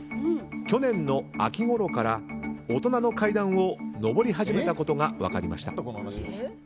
去年の秋ごろから大人の階段を上り始めたことが分かりました。